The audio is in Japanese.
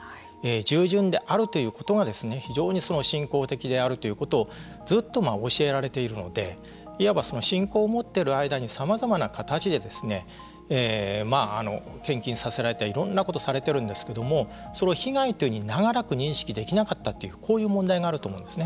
従順であるということが非常に信仰的であるということをずっと教えられているのでいわば信仰を持っている間にさまざまな形で献金させられたりいろんなことをされているんですけれどもそれを被害というふうに長らく認識できなかったとこういう問題があると思うんですね。